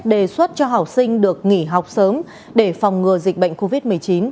đề xuất cho học sinh được nghỉ học sớm để phòng ngừa dịch bệnh covid một mươi chín